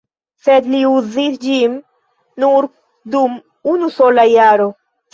Sed li uzis ĝin nur dum unusola jaro.